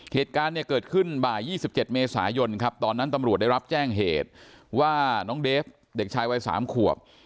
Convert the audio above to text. เหตุการณ์เนี่ยเกิดขึ้นบ่าย๒๗เมษายนครับตอนนั้นตำรวจได้รับแจ้งเหตุว่าน้องเดฟเด็กชายวัย๓ขวบ